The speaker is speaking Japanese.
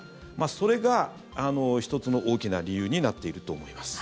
それが１つの大きな理由になっていると思います。